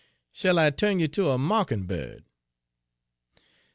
" 'Shill I turn you ter a mawkin'bird?'